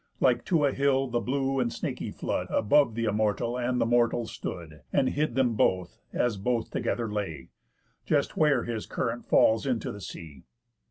Like to a hill, the blue and snaky flood Above th' immortal and the mortal stood, And hid them both, as both together lay, Just where his current falls into the sea.